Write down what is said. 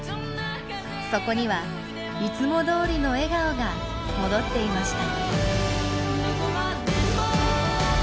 そこにはいつもどおりの笑顔が戻っていました。